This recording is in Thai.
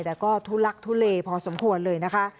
แต่ก็ทุลักทุเลพอสมควรเลยนะคะ